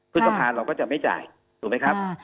ผู้ประวัติธรรมเราก็จะไม่จ่ายถูกไหมครับ